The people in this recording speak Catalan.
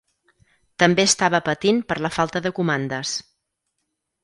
També estava patint per la falta de comandes.